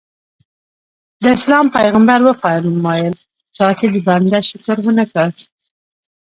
د اسلام پیغمبر وفرمایل چا چې د بنده شکر ونه کړ.